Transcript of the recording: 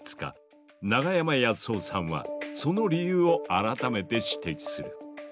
長山靖生さんはその理由を改めて指摘する。